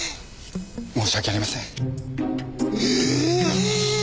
申し訳ありません。え！